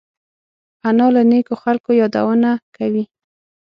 انا له نیکو خلقو یادونه کوي